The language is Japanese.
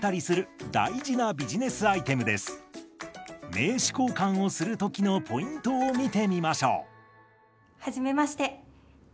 名刺交換をする時のポイントを見てみましょう。